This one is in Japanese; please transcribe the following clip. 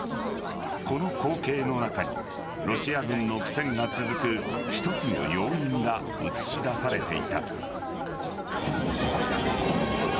この光景の中にロシア軍の苦戦が続く一つの要因が映し出されていた。